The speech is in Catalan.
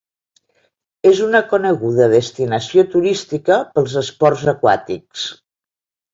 És una coneguda destinació turística pels esports aquàtics.